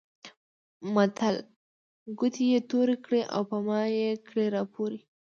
متل؛ ګوتې يې تورې کړې او په مايې کړې راپورې.